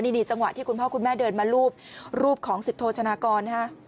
นี่จังหวะที่คุณพ่อคุณแม่เดินมารูปรูปของสิบโทชนากรนะฮะ